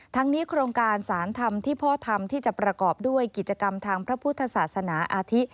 ทั้งนี้โครงการสารธรรมที่พ่อทำที่จะประกอบด้วยกิจกรรมทางพระพุทธศาสนาอาทิ